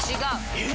えっ？